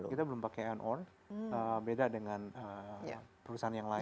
kita belum pakai en or beda dengan perusahaan yang lain